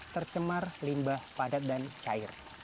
tercemar limbah padat dan cair